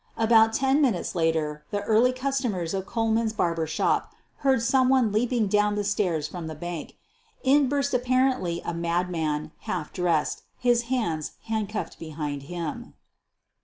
About ten minutes later the early customers of Kohlman's barber shop heard someone leaping down the stairs from the bank. In burst apparently a madman, half dressed, his hands handcuffed be hind him.